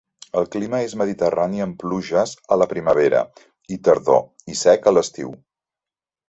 El clima és mediterrani amb pluges a la primavera i tardor i sec a l'estiu.